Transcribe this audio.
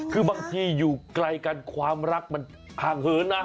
คือบางทีอยู่ไกลกันความรักมันห่างเหินนะ